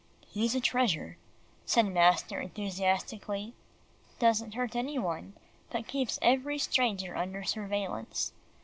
"He's a treasure," said master enthusiastically; "doesn't hurt any one but keeps every stranger under surveillance.